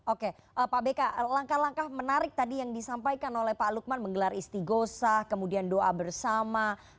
oke pak beka langkah langkah menarik tadi yang disampaikan oleh pak lukman menggelar istighosah kemudian doa bersama